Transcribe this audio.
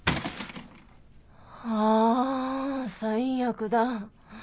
あ最悪だ。